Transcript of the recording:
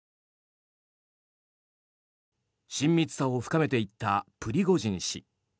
親密さを深めていったプリゴジン氏。